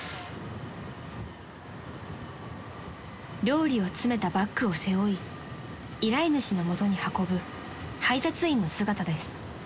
［料理を詰めたバッグを背負い依頼主の元に運ぶ配達員の姿です］